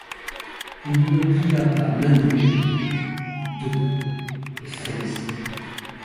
Il ne plia pas même les genoux, debout et frémissant.